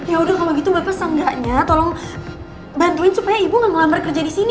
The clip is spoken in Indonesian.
ya udah kalau gitu bapak seenggaknya tolong bantuin supaya ibu gak ngelamar kerja di sini